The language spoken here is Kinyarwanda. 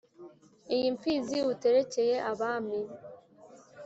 Iyi mfizi uterekeye abami